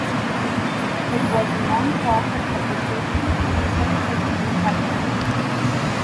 It was a nonprofit publication since its inception.